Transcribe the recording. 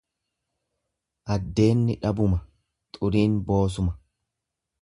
Addeenni dhabuma xuriin boosuma.